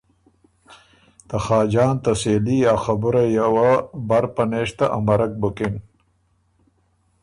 ته خاجان ته سېلي اره خبُرئ یه وه بر پنېشته امَرک بُکِن۔